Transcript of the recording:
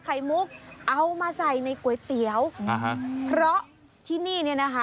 ไข่มุกเอามาใส่ในก๋วยเตี๋ยวอ่าฮะเพราะที่นี่เนี่ยนะคะ